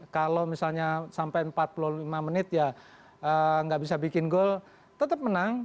kalau misalnya sampai empat puluh lima menit ya nggak bisa bikin gol tetap menang